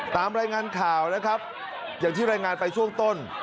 ตามรายงานข่าวนะครับอย่างที่รายงานไปช่วงต้น